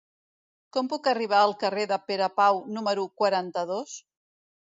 Com puc arribar al carrer de Pere Pau número quaranta-dos?